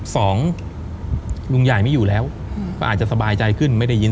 สองลุงใหญ่ไม่อยู่แล้วก็อาจจะสบายใจขึ้น